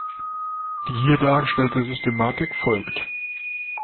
Die hier dargestellte Systematik folgt.